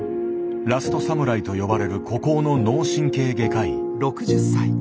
ラストサムライと呼ばれる孤高の脳神経外科医。